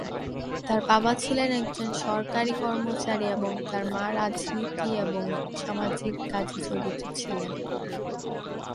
তার বাবা ছিলেন একজন সরকারী কর্মচারী এবং তার মা রাজনীতি এবং সামাজিক কাজে জড়িত ছিলেন।